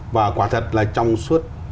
và quả thật là trong suốt